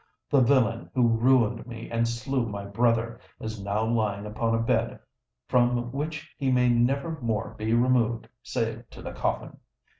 The villain who ruined me and slew my brother, is now lying upon a bed from which he may never more be removed save to the coffin.